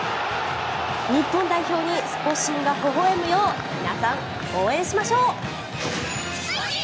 日本代表にスポ神がほほ笑むよう皆さん、応援しましょう。